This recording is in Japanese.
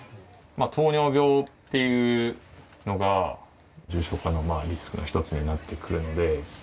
糖尿病っていうのが、重症化のリスクの一つになってくるので。